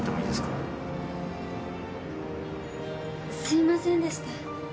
すいませんでした。